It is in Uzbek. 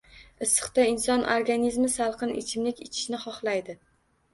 Issiqda inson organizmi salqin ichimlik ichishni xohlaydi